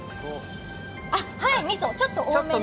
みそ、ちょっと多めにね。